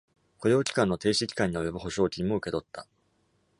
雇用期間の停止期間に及ぶ補償金も受け取った。